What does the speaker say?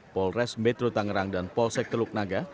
polres metro tangerang dan polsek teluk naga